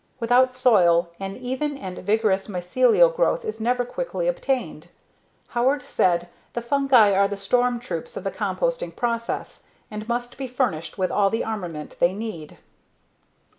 Without soil, "an even and vigorous mycelial growth is never quickly obtained." Howard said "the fungi are the storm troops of the composting process, and must be furnished with all the armament they need."